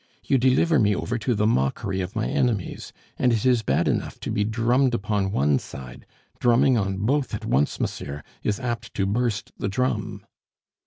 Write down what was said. You deliver me over to the mockery of my enemies, and it is bad enough to be drummed upon one side; drumming on both at once, monsieur, is apt to burst the drum."